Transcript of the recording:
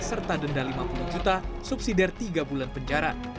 serta denda lima puluh juta subsidiary tiga bulan penjara